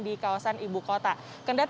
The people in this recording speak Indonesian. di kawasan ibu kota